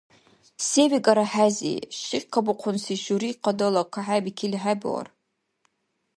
Се викӀара хӀези? Шикькабухъунси шури къадала кахӀебикили хӀебуар.